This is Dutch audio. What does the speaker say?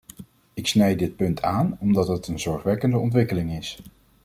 Ik snijd dit punt aan omdat het een zorgwekkende ontwikkeling is.